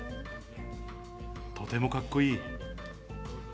とてもかっこいい。